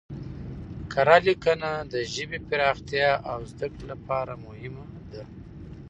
کره لیکنه د ژبې پراختیا او زده کړې لپاره مهمه ده.